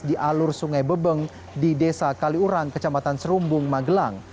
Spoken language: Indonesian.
di alur sungai bebeng di desa kaliurang kecamatan serumbung magelang